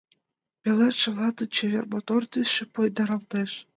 Пеледше мландын чевер мотор тӱсшӧ пойдаралтеш.